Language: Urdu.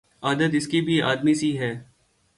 عادت اس کی بھی آدمی سی ہے